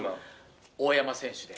大山選手で。